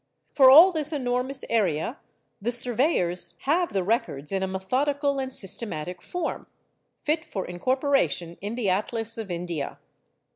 For all this enormous area the surveyors have the records in a methodical and systematic form, fit for incorporation in the atlas of India.